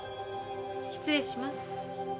失礼します。